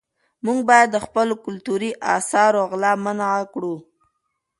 موږ باید د خپلو کلتوري اثارو غلا منعه کړو.